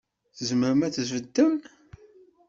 Tzemrem ad tbeddem?